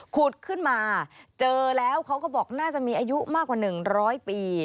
ขุดขึ้นมาเจอแล้วเขาก็บอกน่าจะมีอายุมากกว่า๑๐๐ปี